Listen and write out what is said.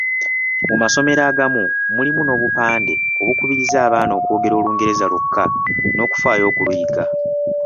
Mu masomero agamu mulimu n'obupande obukubiriza abaana okwogera Olungereza lwokka n'okufaayo okuluyiga.